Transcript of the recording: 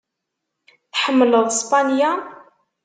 Tḥemmleḍ Spanya?